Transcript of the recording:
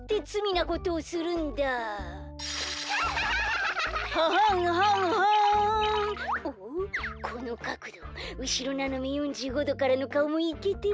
このかくどうしろななめ４５どからのかおもいけてるなあアハハ。